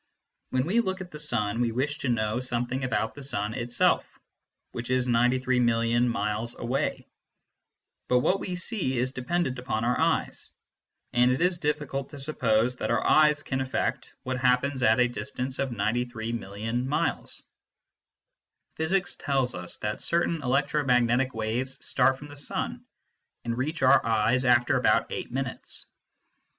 When we look at the sun we wish to know This point has been well urged by the American realists CONSTITUENTS OF MATTER 135 something about the sun itself, which is ninety three million miles away ; but what we see is dependent upon our eyes, and it is difficult to suppose that our eyes can affect what happens at a distance of ninety three million miles. Physics tells us that certain electromagnetic waves start from the sun, and reach our eyes after about eight minutes.